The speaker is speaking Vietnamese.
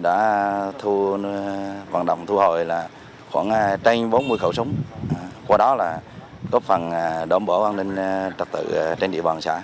đã thu hồi khoảng bốn mươi khẩu súng qua đó góp phần đảm bảo an ninh trật tự trên địa bàn của xã